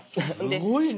すごいな！